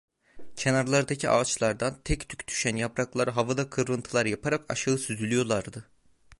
Kenarlardaki ağaçlardan tek tük düşen yapraklar havada kıvrıntılar yaparak aşağıya süzülüyorlardı.